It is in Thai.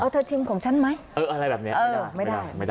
เธอทิมกับฉันไหม